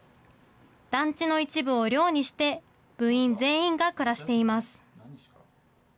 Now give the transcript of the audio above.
団地の一部を寮にして、部員全員が暮らしています。